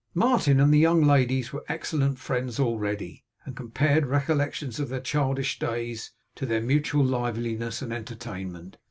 Martin and the young ladies were excellent friends already, and compared recollections of their childish days, to their mutual liveliness and entertainment.